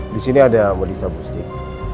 disini ada modista butik